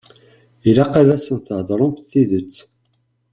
Ilaq ad asen-theḍṛemt tidet.